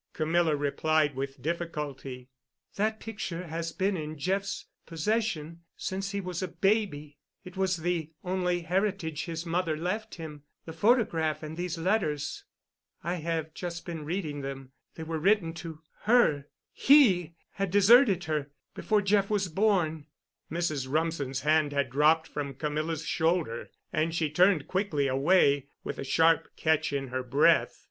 Camilla replied with difficulty. "That picture has been in Jeff's possession since he was a baby. It was the only heritage his mother left him, the photograph and these letters. I have just been reading them. They were written to her. He had deserted her—before Jeff was born——" Mrs. Rumsen's hand had dropped from Camilla's shoulder, and she turned quickly away—with a sharp catch in her breath.